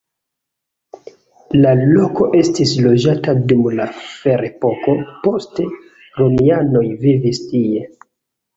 La loko estis loĝata dum la ferepoko, poste romianoj vivis tie.